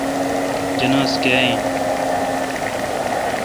جناز کاں این۔